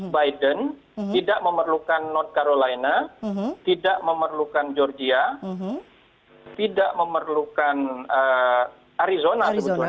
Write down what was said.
biden tidak memerlukan not carolina tidak memerlukan georgia tidak memerlukan arizona sebetulnya